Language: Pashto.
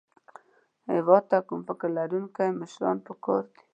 هېواد ته فکر لرونکي مشران پکار دي